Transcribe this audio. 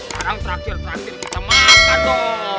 sekarang terakhir terakhir kita makan dong